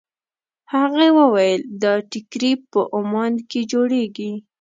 هغې وویل دا ټیکري په عمان کې جوړېږي.